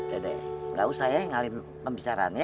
ya deh gausah ya ngalih pembicaraan ya